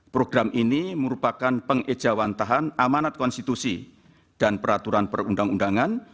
program ini merupakan pengejawantahan amanat konstitusi dan peraturan perundang undangan